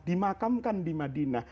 dimakamkan di madinah